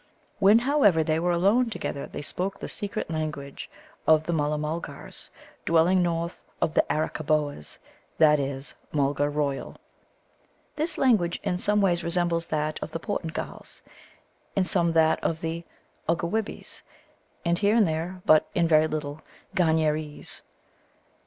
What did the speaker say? When, however, they were alone together they spoke the secret language of the Mulla mulgars dwelling north of the Arakkaboas that is, Mulgar royal. This language in some ways resembles that of the Portugalls, in some that of the Oggewibbies, and, here and there but in very little Garniereze.